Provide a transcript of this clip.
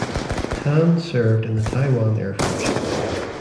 Tan served in the Taiwan Air Force.